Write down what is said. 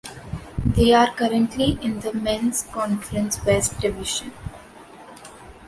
They are currently in the Men's Conference West Division.